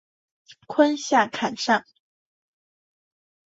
坤下坎上。